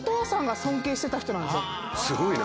すごいな。